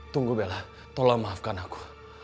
tunggu bella tolong maafkan aku